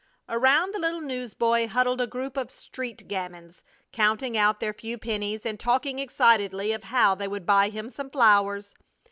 Around the little newsboy huddled a group of street gamins, counting out their few pennies, and talking excitedly of how they would buy him some flowers.